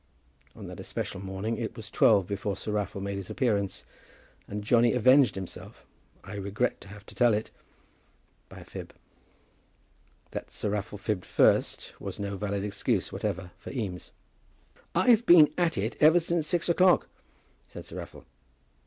On that especial morning it was twelve before Sir Raffle made his appearance, and Johnny avenged himself, I regret to have to tell it, by a fib. That Sir Raffle fibbed first, was no valid excuse whatever for Eames. "I've been at it ever since six o'clock," said Sir Raffle.